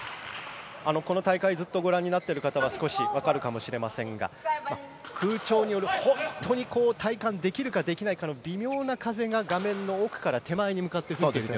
この大会ずっとご覧になっている方は少し分かるかもしれませんが空調による本当に体感できるかできないかの微妙な風が画面奥から手前に向いて吹いています。